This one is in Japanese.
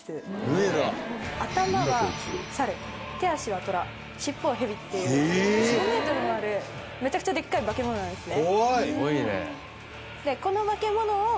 頭はサル手足はトラ尻尾はヘビっていう４５メートルもあるめちゃくちゃでっかい化け物なんですね。